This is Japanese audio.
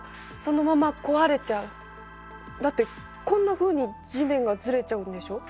だってこんなふうに地面がずれちゃうんでしょ？